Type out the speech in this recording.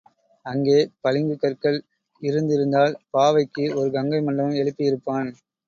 அங்கே பளிங்குக்கற்கள் இருந்திருந்தால் பாவைக்கு ஒரு கங்கை மண்டபம் எழுப்பி இருப்பான்.